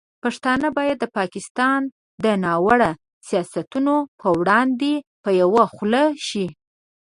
پښتانه باید د پاکستان د ناوړه سیاستونو پر وړاندې په یوه خوله شي.